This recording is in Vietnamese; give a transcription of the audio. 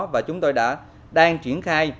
và chúng tôi đã đang triển khai